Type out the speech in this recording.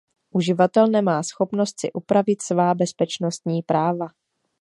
Uživatel nemá schopnost si upravit svá bezpečnostní práva.